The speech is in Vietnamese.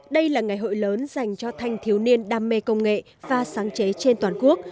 đây là ngày hội lớn dành cho thanh thiếu niên đam mê công nghệ và sáng chế trên toàn quốc